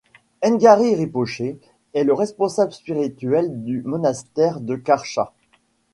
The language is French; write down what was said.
Ngari Rinpoché est le responsable spirituel du monastère de Karsha.